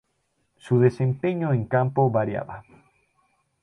Su desempeño en campo variaba.